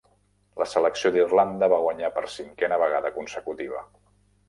La selecció d'Irlanda va guanyar per cinquena vegada consecutiva.